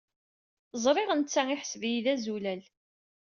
Ẓriɣ netta yeḥseb-iyi d azulal.